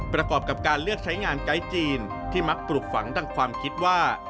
ประกอบกับการเลือกใช้งานไกด์จีนที่มักปลูกฝังดังความคิดว่า